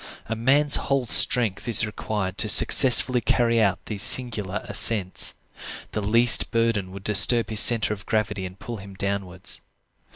A man's whole strength is required to successfully carry out these singular ascents. The least burden would disturb his centre of gravity and pull him downwards.